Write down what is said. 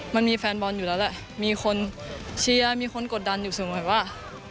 มันมีแฟนบอลอยู่แล้วแหละมีคนเชียร์มีคนกดดันอยู่เสมอว่า